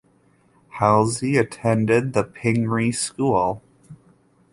Halsey attended the Pingry School.